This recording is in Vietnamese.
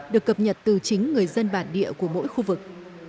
được cập nhật từ chính người dân bản địa của mỗi khu vực